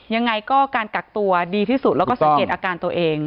ยังไงก็การกักตัวดีที่สุดแล้วก็สังเกตอาการตัวเอง